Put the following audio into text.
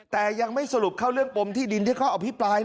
แต่ยังไม่สรุปเข้าเรื่องปมที่ดินที่เขาอภิปราย